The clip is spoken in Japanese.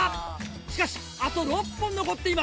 しかしあと６本残っています。